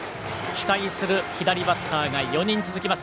期待する左バッターが４人続きます。